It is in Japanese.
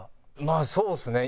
まあそうですね。